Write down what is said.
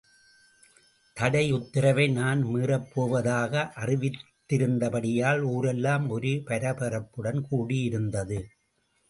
தடை உத்தரவை நான் மீறப்போவதாக அறிவித்திருந்தபடியால் ஊரெல்லாம் ஒரே பரபரப்புடன் கூடியிருந்தது.